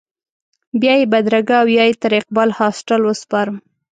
بیا یې بدرګه او یا یې تر اقبال هاسټل وسپارم.